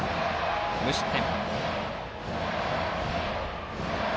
無失点。